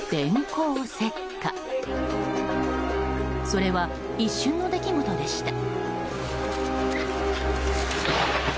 それは、一瞬の出来事でした。